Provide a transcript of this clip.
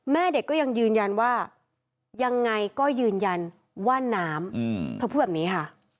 แม่เด็กก็ยังยืนยันว่ายังไงก็ยืนยันว่าน้ำเธอพูดแบบนี้ค่ะ